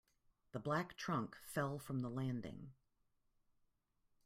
The black trunk fell from the landing.